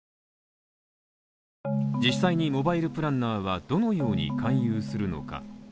実際にモバイルプランナーはどのように勧誘するのか。